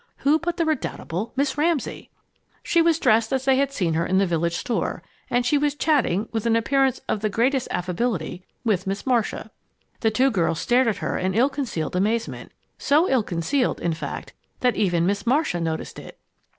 who but the redoubtable Miss Ramsay! She was dressed as they had seen her in the village store, and she was chatting, with an appearance of the greatest affability, with Miss Marcia. The two girls stared at her in ill concealed amazement so ill concealed, in fact, that even Miss Marcia noticed it.